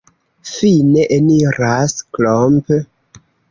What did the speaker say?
Fine eniras Klomp.